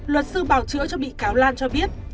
luật sư bảo chữa cho bị cáo lan cho biết